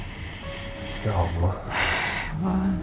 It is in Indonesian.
tapi sampai sekarang juga gak ada masalah